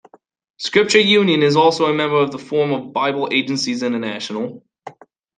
Scripture Union is also a member of the Forum of Bible Agencies International.